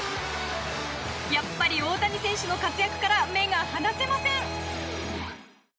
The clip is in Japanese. やっぱり大谷選手の活躍から目が離せません。